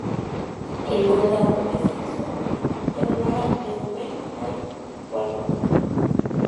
El condado recibe su nombre en honor a Reuben Hyde Walworth.